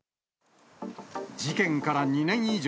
事件から２年以上。